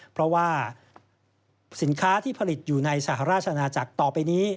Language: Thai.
เพราะว่าสินค้าที่ผลิตอยู่ในสหราชนาจักรต่อไปนี้